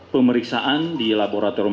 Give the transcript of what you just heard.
pemeriksaan di laboratorium